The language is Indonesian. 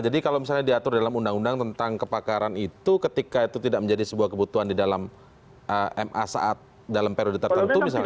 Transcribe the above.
jadi kalau misalnya diatur dalam undang undang tentang kepakaran itu ketika itu tidak menjadi sebuah kebutuhan di dalam ma saat dalam periode tertentu misalnya